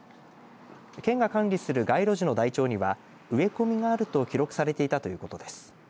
県が管理する街路樹の台帳には植え込みがあると記録されていたということです。